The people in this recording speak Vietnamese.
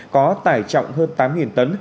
có tải trọng hơn tám tấn